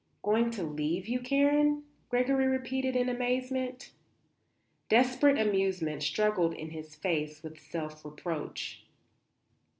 "Going to leave you, Karen?" Gregory repeated in amazement. Desperate amusement struggled in his face with self reproach.